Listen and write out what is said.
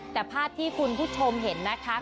แต่ภาพที่คุณผู้ชมเห็นนะคะ